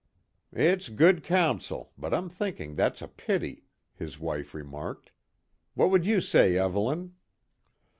"It's good counsel, but I'm thinking that's a pity," his wife remarked. "What would ye say, Evelyn?"